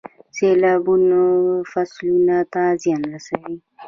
سیلابونه فصلونو ته زیان رسوي.